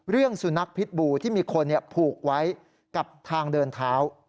เรื่องสุนัขพิษบูที่มีคนผูกไว้กับทางเดินเท้า